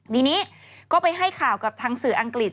ทีนี้ก็ไปให้ข่าวกับทางสื่ออังกฤษ